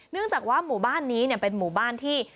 เนื่องจากว่าหมู่บ้านนี้เป็นหมู่บ้านที่